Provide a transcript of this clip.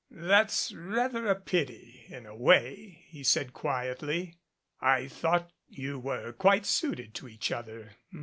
"That's rather a pity in a way," he said quietly. "I thought you were quite suited to each other.